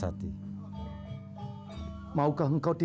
jika tiang akan menjejaskan